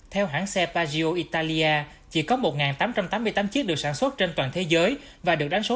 theo hãng xe pagio italia chỉ có một tám trăm tám mươi tám chiếc được sản xuất trên toàn thế giới và được đánh số